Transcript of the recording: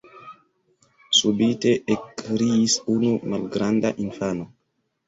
subite ekkriis unu malgranda infano.